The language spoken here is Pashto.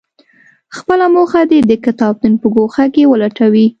خپله موخه دې د کتابتون په ګوښه کې ولټوي.